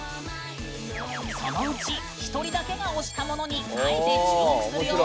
そのうち１人だけが推したものにあえて注目するよ！